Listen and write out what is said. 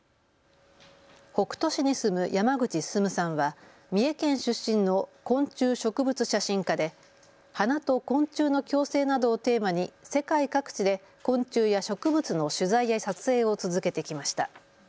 北杜市に住む山口進さんは三重県出身の昆虫植物写真家で花と昆虫の共生などをテーマに世界各地で昆虫や植物の取材で撮影を続けてきました。